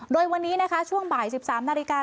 โดยวันนี้นะคะช่วงบ่าย๑๓นาฬิกา